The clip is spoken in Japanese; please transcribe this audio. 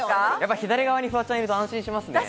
左側にフワちゃんいると安心しますね。